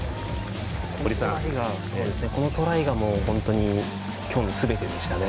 このトライが本当に今日のすべてでしたね。